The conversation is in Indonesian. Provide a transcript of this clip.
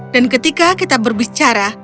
dan ketika kita berbicara